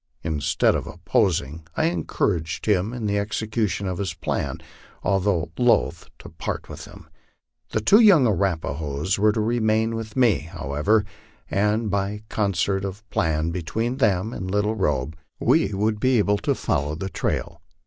Instead of opposing, I encouraged him in the execution of his plan, although loath to part with him. The two young Ara pahoes were to remain with me, however, and by concert of plan between them and Little Robe we would be able to follow the trail.